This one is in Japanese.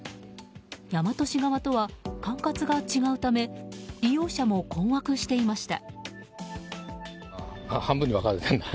大和市側とは管轄が違うため利用者も困惑していました。